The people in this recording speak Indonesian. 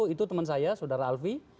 itu teman saya saudara alfi